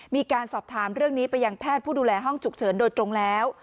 มีการสอบถามเรื่องนี้ไปยังแพทย์ผู้ดูแลห้องฉุกเฉินโดยตรงแล้ว